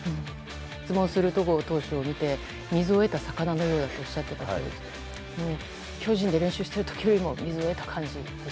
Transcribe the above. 質問する戸郷選手を見て水を得た魚のようだとおっしゃってましたが巨人で練習している時よりも水を得ていた感じ？